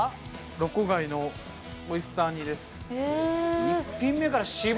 ロコ貝のオイスター煮です。